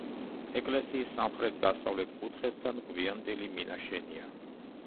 ეკლესიის სამხრეთ-დასავლეთ კუთხესთან გვიანდელი მინაშენია.